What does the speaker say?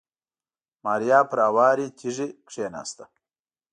ماريا پر هوارې تيږې کېناسته.